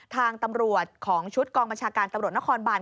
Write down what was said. ทางตำรวจของชุดกองบัญชาการตำรวจนครบาน